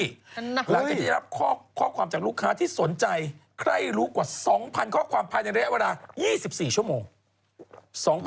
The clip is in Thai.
หลังจากได้รับข้อความจากลูกค้าที่สนใจใครรู้กว่า๒๐๐ข้อความภายในระยะเวลา๒๔ชั่วโมง